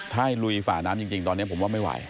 ถ้าให้ลุยฝ่าน้ำจริงตอนนี้ผมว่าไม่ไหว